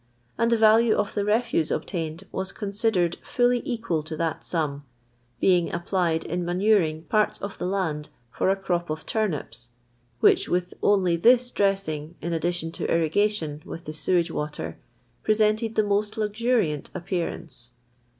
anil the value of the refuse obt iined ^*ai considered fully equal to that sum, being nppHni in manuring pnrts of the land for a crop of turi.i*. which with only this dressing in addition to irri gation with the sewage water presented the m:*: luxuriant appearance.